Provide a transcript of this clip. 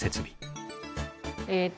えっと